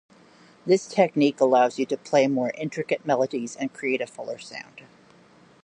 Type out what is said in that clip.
This technique allows you to play more intricate melodies and create a fuller sound.